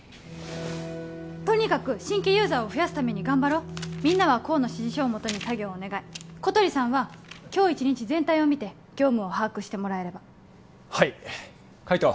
とにかく新規ユーザーを増やすために頑張ろうみんなは功の指示書をもとに作業をお願い小鳥さんは今日一日全体を見て業務を把握してもらえればはい海斗